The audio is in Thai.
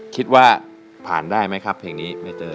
คิดว่าผ่านได้ไหมครับเพลงนี้ไม่เจอ